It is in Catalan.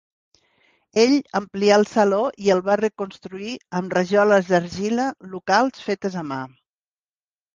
Ell amplià el saló i el va reconstruir amb rajoles d'argila locals fetes a mà